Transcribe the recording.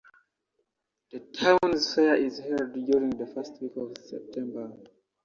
The town's fair is held during the first week of September.